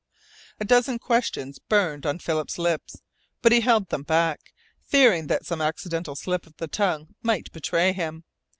A dozen questions burned on Philip's lips, but he held them back, fearing that some accidental slip of the tongue might betray him.